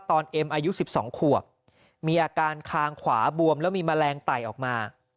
เอ็มอายุ๑๒ขวบมีอาการคางขวาบวมแล้วมีแมลงไต่ออกมา